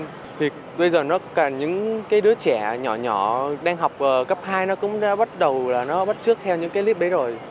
thì bây giờ nó cả những cái đứa trẻ nhỏ nhỏ đang học cấp hai nó cũng bắt đầu là nó bắt trước theo những cái lết bế rồi